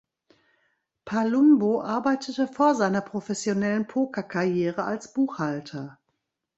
Palumbo arbeitete vor seiner professionellen Pokerkarriere als Buchhalter.